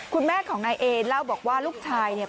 คุณแม่ของนายเอเล่าบอกว่าลูกชายเนี่ย